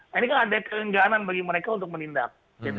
nah ini kan ada keengganan bagi mereka untuk menindak